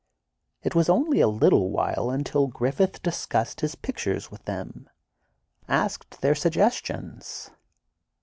It was only a little while until Griffith discussed his pictures with them, asked their suggestions.